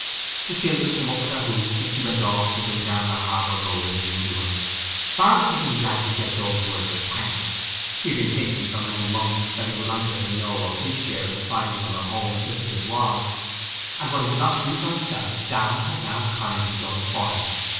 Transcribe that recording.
The children came up with their hoops, and she went off with them down the harbour road as usual. Barnet had been glad to get those words of thanks; he had been thinking for many months that he would like her to know of his share in finding her a home such as it was; and what he could not do for himself, Downe had now kindly done for him.